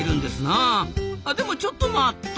あでもちょっと待った！